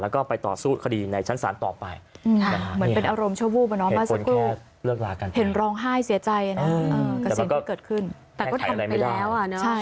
แล้วก็ไปต่อสู้คดีในชั้นศาลต่อไปเหมือนเป็นอารมณ์ชวูบมาสักครู่เห็นร้องไห้เสียใจกระเสนที่เกิดขึ้นแต่ก็ทำไปแล้ว